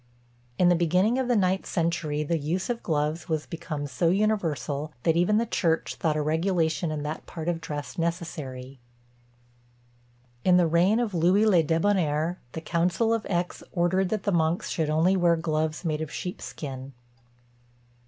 In the beginning of the ninth century, the use of gloves was become so universal, that even the church thought a regulation in that part of dress necessary. In the reign of Louis le Debonair, the council of Aix ordered that the monks should only wear gloves made of sheep skin.